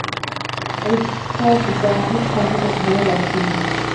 এইসব জাহিদ সাহেবের ভালো লাগছে না।